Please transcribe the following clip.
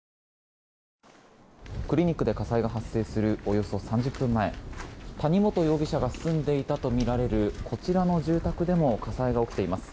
クリニックで火災が発生するおよそ３０分前、谷本容疑者が住んでいたとみられるこちらの住宅でも火災が起きています。